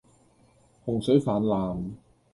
洪水泛濫